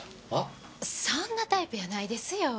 そんなタイプやないですよ！